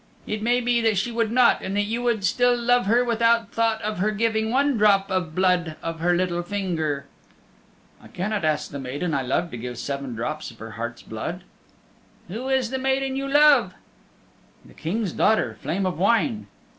It may be that she would not and that you would still love her without thought of her giving one drop of blood of her little finger." "I cannot ask the maiden I love to give seven drops of her heart's blood." "Who is the maiden you love?" "The King's daughter, Flame of Wine."